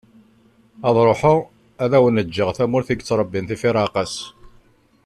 Ad ruḥeγ ad awen-ğğeγ tamurt i yettrebbin tifireԑqas.